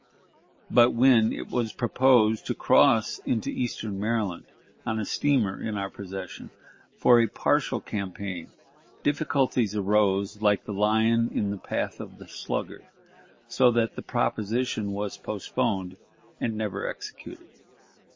but, when it was proposed to cross into eastern Maryland on a steamer in our possession for a partial campaign, difficulties arose like the lion in the path of the sluggard, so that the proposition was postponed and never executed.